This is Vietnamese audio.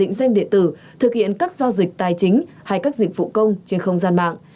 định danh điện tử thực hiện các giao dịch tài chính hay các dịch vụ công trên không gian mạng